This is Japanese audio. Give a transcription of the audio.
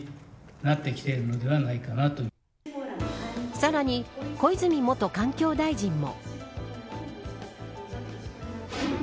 さらに、小泉元環境大臣も。